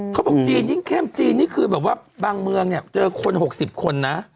เขาบอกจีนยิ่งเข้มจีนนี่คือแบบว่าบางเมืองเนี่ยเจอคน๖๐คนนะ